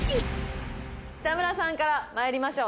北村さんからまいりましょう。